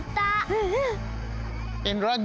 うんうん！